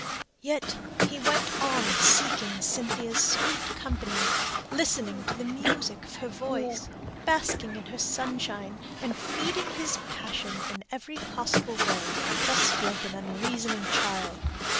Yet he went on seeking Cynthia's sweet company, listening to the music of her voice, basking in her sunshine, and feeding his passion in every possible way, just like an unreasoning child.